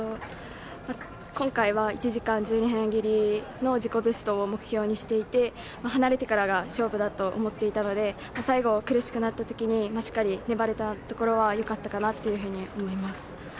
今回は１時間１２分切りの自己ベストを目標にしていて離れてからが勝負だと思っていたので最後、苦しくなったときにしっかり粘れたところはよかったかなと思います。